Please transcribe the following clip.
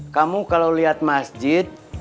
kamu kalau lihat masjid